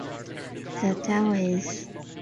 The town is bounded by several areas of open space.